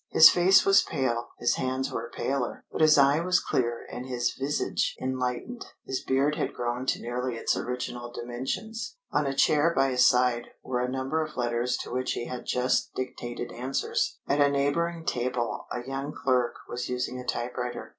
His face was pale, his hands were paler; but his eye was clear and his visage enlightened. His beard had grown to nearly its original dimensions. On a chair by his side were a number of letters to which he had just dictated answers. At a neighbouring table a young clerk was using a typewriter.